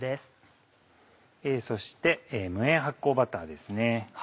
そして無塩発酵バターですね。